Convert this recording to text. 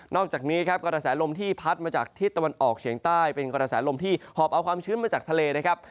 อกจากนี้ครับกระแสลมที่พัดมาจากทิศตะวันออกเฉียงใต้เป็นกระแสลมที่หอบเอาความชื้นมาจากทะเลนะครับ